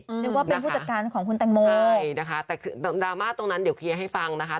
นึกว่าเป็นผู้จัดการของคุณแตงโมใช่นะคะแต่คือดราม่าตรงนั้นเดี๋ยวเคลียร์ให้ฟังนะคะ